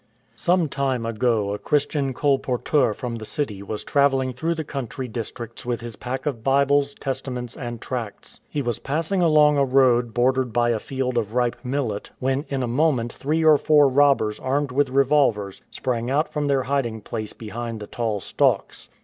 Some time ago a Christian colporteur from the city was travelling through the country districts with his pack of Bibles, Testaments, and tracts. He was passing along a road bordered by a field of ripe millet, when in a moment three or four robbers armed with revolvers sprang out from their hiding place behind the tall stalks.